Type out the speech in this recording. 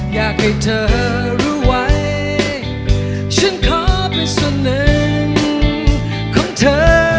อยากให้เธอรู้ไว้ฉันขอเป็นส่วนหนึ่งของเธอ